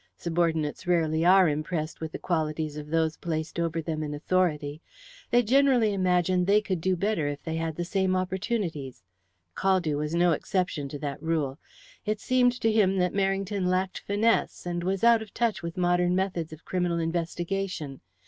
Subordinates rarely are impressed with the qualities of those placed over them in authority. They generally imagine they could do better if they had the same opportunities. Caldew was no exception to that rule. It seemed to him that Merrington lacked finesse, and was out of touch with modern methods of criminal investigation.